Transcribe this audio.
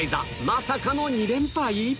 まさかの２連敗？